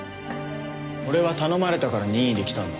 俺は頼まれたから任意で来たんだ。